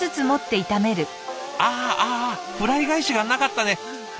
ああフライ返しがなかったね。